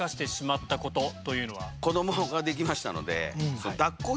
子供ができましたので。